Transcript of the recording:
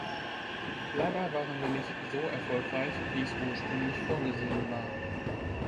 Leider waren wir nicht so erfolgreich, wie es ursprünglich vorgesehen war.